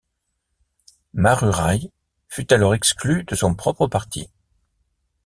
Marurai fut alors exclus de son propre parti.